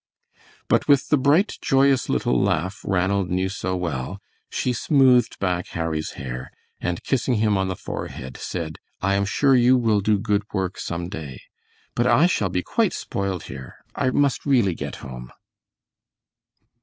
But with the bright, joyous little laugh Ranald knew so well, she smoothed back Harry's hair, and kissing him on the forehead, said: "I am sure you will do good work some day. But I shall be quite spoiled here; I must really get home."